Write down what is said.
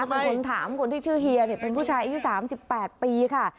เป็นคนถามคนที่ชื่อเฮียเป็นผู้ชายอายุ๓๘ปีค่ะ